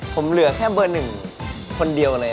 ผมเหลือแค่เบอร์๑คนเดียวเลย